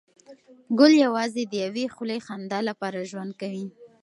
ګل یوازې د یوې خولې خندا لپاره ژوند کوي.